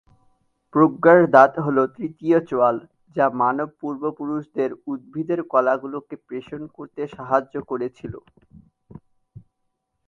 প্রজ্ঞার দাঁত হল তৃতীয় চোয়াল, যা মানব পূর্বপুরুষদের উদ্ভিদের কলাগুলোকে পেষণ করতে সাহায্য করেছিল।